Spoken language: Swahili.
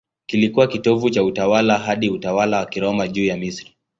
Kilikuwa kitovu cha utawala hadi utawala wa Kiroma juu ya Misri.